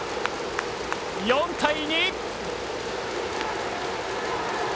４対２！